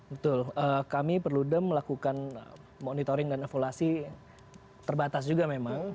betul kami perludem melakukan monitoring dan evaluasi terbatas juga memang